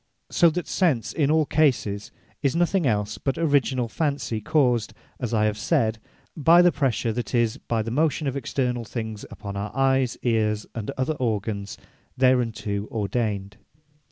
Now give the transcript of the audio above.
So that Sense in all cases, is nothing els but originall fancy, caused (as I have said) by the pressure, that is, by the motion, of externall things upon our Eyes, Eares, and other organs thereunto ordained.